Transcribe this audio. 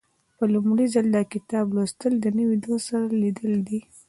په لومړي ځل د کتاب لوستل د نوي دوست سره لیدل دي.